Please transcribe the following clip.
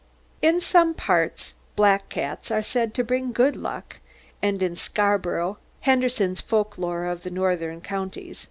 "In some parts black cats are said to bring good luck, and in Scarborough (Henderson's 'Folk lore of the Northern Counties').